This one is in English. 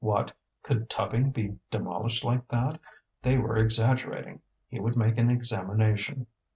What! could tubbing be demolished like that? They were exaggerating; he would make an examination.